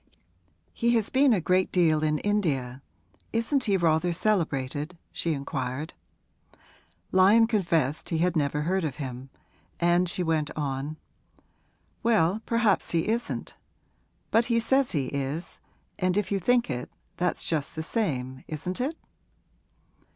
'He has been a great deal in India isn't he rather celebrated?' she inquired. Lyon confessed he had never heard of him, and she went on, 'Well, perhaps he isn't; but he says he is, and if you think it, that's just the same, isn't it?'